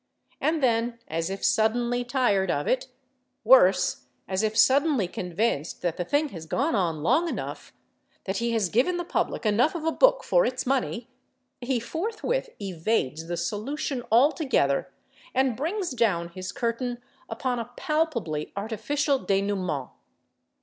And then, as if suddenly tired of it—worse, as if suddenly convinced that the thing has gone on long enough, that he has given the public enough of a book for its money—he forthwith evades the solution altogether, and brings down his curtain upon a palpably artificial dénouement.